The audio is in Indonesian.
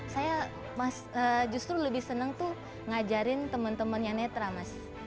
saya justru lebih senang tuh ngajarin teman teman yang netra mas